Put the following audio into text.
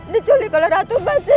diculik oleh ratu basi